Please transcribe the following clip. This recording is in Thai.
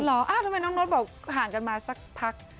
ทำไมน้องโน๊ตบอกห่างกันมาสักพัก